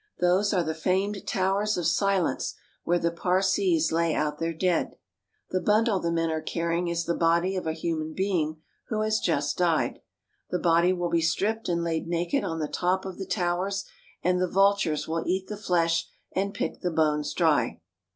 Those are the famed Towers of Silence where the Parsees lay out their dead. The bundle the men are Sacred Cattle. THE CITIES OF INDIA 253 carrying is the body of a human being who has just died. The body will be stripped and laid naked on the top of the Towers, and the vultures will eat the flesh and pick the bones dry.